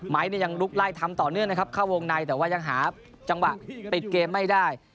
เนี่ยยังลุกไล่ทำต่อเนื่องนะครับเข้าวงในแต่ว่ายังหาจังหวะปิดเกมไม่ได้